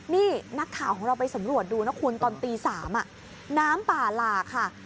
นี่นักข่าวของเราไปสำรวจดูนะคุณตอนตี๓น้ำป่าหลากค่ะ